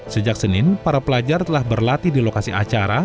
sejak senin para pelajar telah berlatih di lokasi acara